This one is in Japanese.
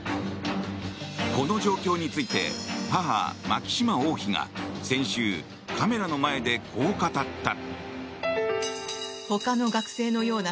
この状況について母・マキシマ王妃が先週、カメラの前でこう語った。